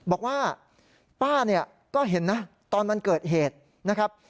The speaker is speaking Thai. บอกว่าป้าเนี่ยก็เห็นนะตอนมันเกิดเหตุนะครับ